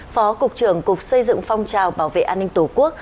phó cục trưởng cục xây dựng phong trào bảo vệ an ninh tổ quốc